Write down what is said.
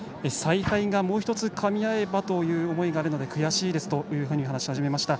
采配がもう１つかみ合えばという思いがあるので悔しいですというふうに話し始めました。